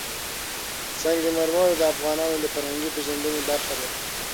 سنگ مرمر د افغانانو د فرهنګي پیژندنې برخه ده.